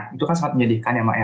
itu kan sangat menjadikan ya mbak